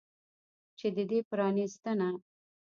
چې د دې پرانستنه